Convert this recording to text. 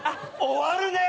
終わるね！